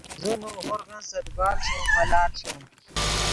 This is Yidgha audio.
زو نؤ ہورغن سے دیبال ݰوم ملال ݰوم